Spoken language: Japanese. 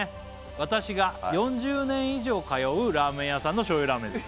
「私が４０年以上通うラーメン屋さんの醤油ラーメンです」